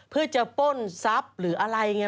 เพื่อจะปล้นทรัพย์หรืออะไรไง